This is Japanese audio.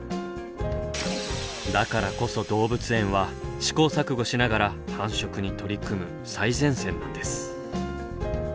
だからこそ動物園は試行錯誤しながら繁殖に取り組む最前線なんです。